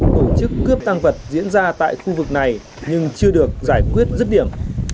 của chức cướp tăng vật diễn ra tại khu vực này nhưng chưa được giải quyết dứt điểm